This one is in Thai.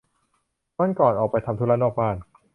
วันก่อนออกไปทำธุระนอกบ้าน